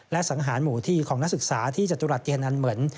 และสังหารหมู่ที่ของนักศึกษาที่จตุรัสเตียนันเหมือน